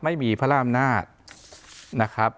ไม่มีพระร่ามนาฏนะครับ